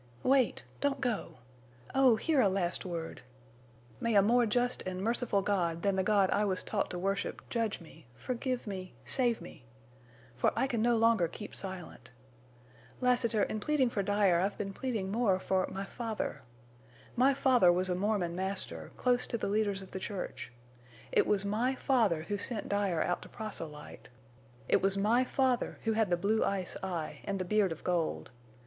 "Wait! Don't go! Oh, hear a last word!... May a more just and merciful God than the God I was taught to worship judge me—forgive me—save me! For I can no longer keep silent!... Lassiter, in pleading for Dyer I've been pleading more for my father. My father was a Mormon master, close to the leaders of the church. It was my father who sent Dyer out to proselyte. It was my father who had the blue ice eye and the beard of gold.